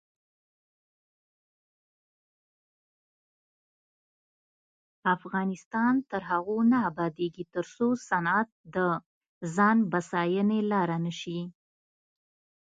افغانستان تر هغو نه ابادیږي، ترڅو صنعت د ځان بسیاینې لاره نشي.